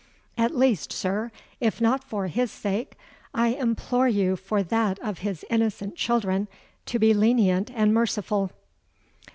At least, sir, if not for his sake, I implore you for that of his innocent children to be lenient and merciful.'